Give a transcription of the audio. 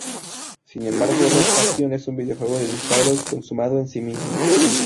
Sin embargo, "Red Faction" es un videojuego de disparos consumado en sí mismo≫.